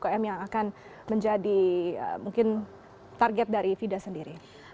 ada lagi pelaku ukm yang akan menjadi mungkin target dari fida sendiri